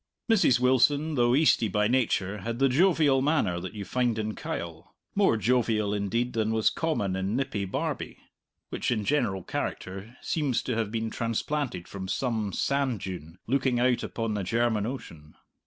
Mrs. Wilson, though Eastie by nature, had the jovial manner that you find in Kyle; more jovial, indeed, than was common in nippy Barbie, which, in general character, seems to have been transplanted from some sand dune looking out upon the German Ocean.